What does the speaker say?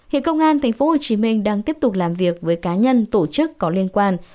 hiện công an tp hcm đang tiếp tục làm việc với cá nhân tổ chức có liên quan